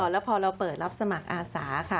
แล้วพอเราเปิดรับสมัครอาสาค่ะ